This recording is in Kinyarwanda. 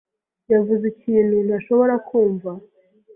yavuze ikintu ntashobora kumva.